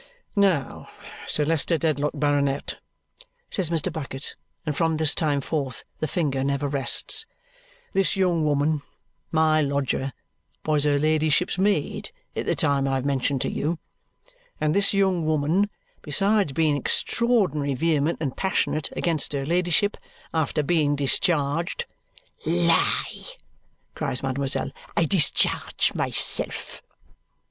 "Now, Sir Leicester Dedlock, Baronet," says Mr. Bucket, and from this time forth the finger never rests, "this young woman, my lodger, was her ladyship's maid at the time I have mentioned to you; and this young woman, besides being extraordinary vehement and passionate against her ladyship after being discharged " "Lie!" cries mademoiselle. "I discharge myself."